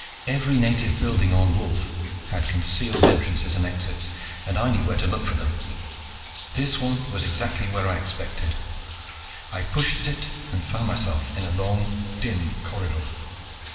Every native building on Wolf had concealed entrances and exits and I know where to look for them. This one was exactly where I expected. I pushed at it and found myself in a long, dim corridor.